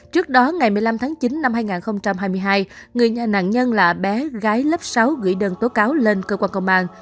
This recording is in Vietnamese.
trước đó ngày một mươi năm tháng chín năm hai nghìn hai mươi hai người nhà nạn nhân là bé gái lớp sáu gửi đơn tố cáo lên cơ quan công an